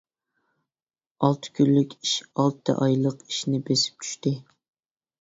ئالتە كۈنلۈك ئىشى ئالتە ئايلىق ئىشىنى بېسىپ چۈشتى.